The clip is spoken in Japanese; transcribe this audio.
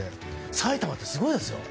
埼玉ってすごいですよ。